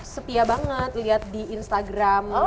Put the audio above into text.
setia banget lihat di instagram